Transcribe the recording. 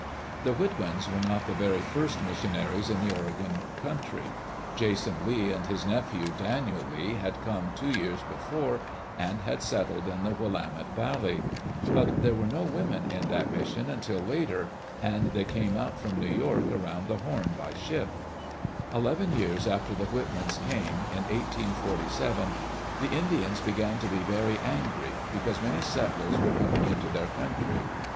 The Whitmans were not the very first missionaries in the Oregon country. Jason Lee and his nephew Daniel Lee had come two years before and had settled in the Willamette Valley. But there were no women at that mis Digitized by VwjOOQ IC EARLY DAYS IN OLD OREGON sion until later, and they came out from New York around the Horn by ship. Eleven years after the Whitmans came, in 1847, ^^ Indians began to be very angry because many settlers were coming into their country.